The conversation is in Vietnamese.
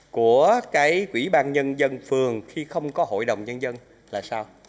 của cái quỹ ban nhân dân phường khi không có hội đồng nhân dân là sao